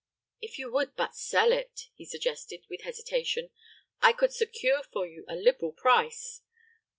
"If you would but sell it," he suggested, with hesitation, "I could secure for you a liberal price.